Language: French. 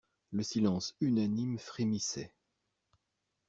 Le silence unanime frémissait.